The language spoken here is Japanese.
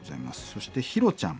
そしてヒロちゃん。